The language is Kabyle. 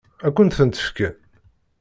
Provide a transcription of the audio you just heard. Ad kent-tent-fken?